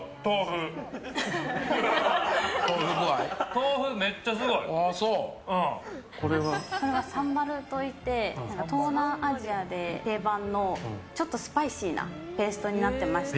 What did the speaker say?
豆腐、めっちゃすごい。これはサンバルといって東南アジアで定番のちょっとスパイシーなペーストになっていまして。